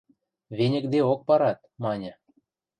– Веньӹкдеок парат... – маньы.